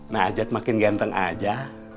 najat makin ganteng aja